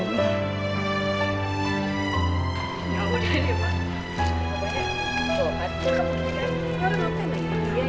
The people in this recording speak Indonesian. ya allah ya tuhan